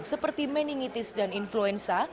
seperti meningitis dan influenza